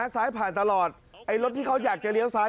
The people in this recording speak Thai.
ซ้ายผ่านตลอดไอ้รถที่เขาอยากจะเลี้ยวซ้าย